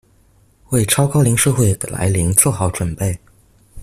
為超高齡社會的來臨做好準備